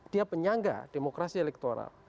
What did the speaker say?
dia penyangga demokrasi elektoral